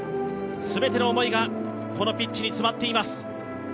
全ての思いがこのピッチに詰まっています。